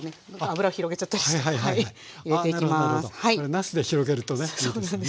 なすで広げるとねいいですよね。